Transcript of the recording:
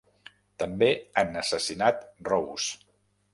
També han assassinat Rose.